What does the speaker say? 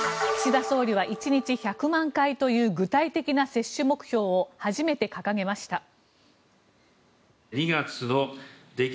岸田総理は１日１００万回という具体的な接種目標を初めて掲げました。